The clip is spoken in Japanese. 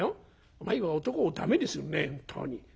お前は男を駄目にするね本当に。